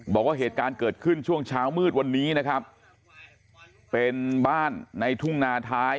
บอกว่าเหตุการณ์เกิดขึ้นช่วงเช้ามืดวันนี้นะครับเป็นบ้านในทุ่งนาท้าย